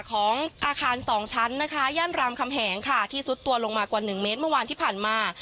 ของอาคารสองชั้นนะคะย่านรามคำแหงค่ะที่ซุดตัวลงมากว่า๑เมตรเมื่อวานที่ผ่านมา